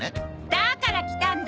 だーから来たんだ？